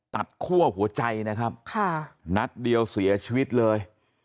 คั่วหัวใจนะครับนัดเดียวเสียชีวิตเลย